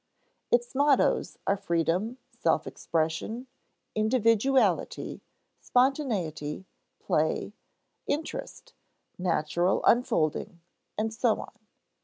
Its mottoes are freedom, self expression, individuality, spontaneity, play, interest, natural unfolding, and so on.